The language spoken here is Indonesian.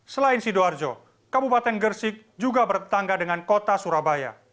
selain sidoarjo kabupaten gersik juga bertangga dengan kota surabaya